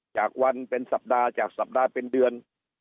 จากวันเป็นสัปดาห์จากสัปดาห์เป็นเดือน